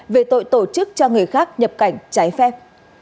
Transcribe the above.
về tội tổ chức cho người khác nhập cảnh trái phép